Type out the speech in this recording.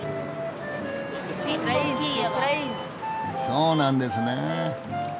そうなんですね。